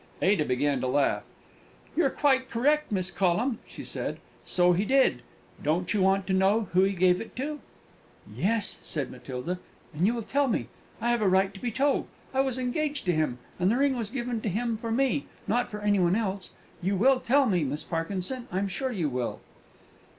Ada began to laugh. "You're quite correct, Miss Collum," she said; "so he did. Don't you want to know who he gave it to?" "Yes," said Matilda, "and you will tell me. I have a right to be told. I was engaged to him, and the ring was given to him for me not for any one else. You will tell me, Miss Parkinson, I am sure you will?"